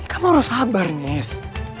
kamu harus sabar nis